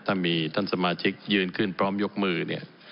ถ้ามีท่านสมาชิกยืนขึ้นพร้อมยกมือเนี่ย